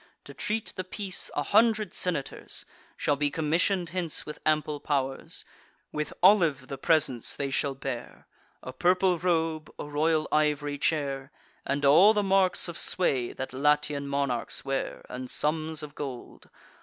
To treat the peace, a hundred senators Shall be commission'd hence with ample pow'rs, With olive the presents they shall bear, A purple robe, a royal iv'ry chair, And all the marks of sway that Latian monarchs wear, And sums of gold.